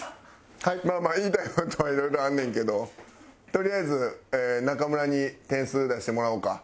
まあ言いたい事はいろいろあんねんけどとりあえず中村に点数出してもらおうか。